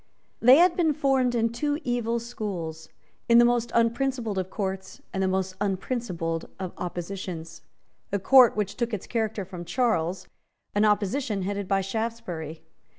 They had been formed in two evil schools, in the most unprincipled of courts, and the most unprincipled of oppositions, a court which took its character from Charles, an opposition headed by Shaftesbury.